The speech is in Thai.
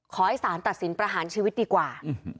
ขอให้สารตัดสินประหารชีวิตดีกว่า